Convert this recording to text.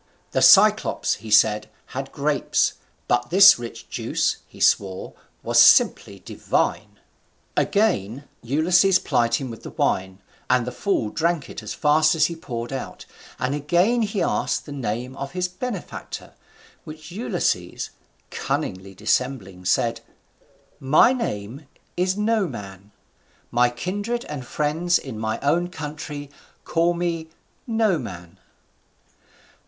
The Cyclops, he said, had grapes, but this rich juice, he swore, was simply divine. Again Ulysses plied him with the wine, and the fool drank it as fast as he poured out, and again he asked the name of his benefactor, which Ulysses, cunningly dissembling, said, "My name is Noman: my kindred and friends in my own country call me Noman."